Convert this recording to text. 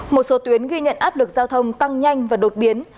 một số tuyến ghi nhận áp lực giao thông tăng nhanh và đột biến